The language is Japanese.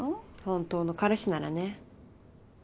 本当の彼氏ならね